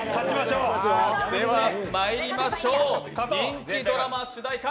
まいりましょう人気ドラマ主題歌